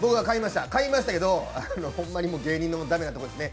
買いましたけど、ホンマに芸人の駄目なところですね。